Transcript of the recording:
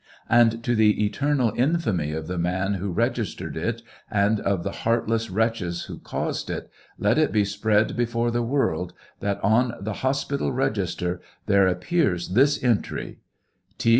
And to the eternal infamy of the man who registered it, and of the heart less wretches who caused it, let it be spread before the world, that on the hospital register there appears this entry : T.